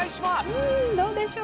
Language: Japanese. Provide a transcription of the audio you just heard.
うんどうでしょう？